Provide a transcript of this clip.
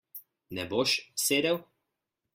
Ne boš sedel?